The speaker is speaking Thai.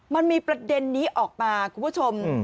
มันมีประเด็นนี้ออกมาคุณผู้ชม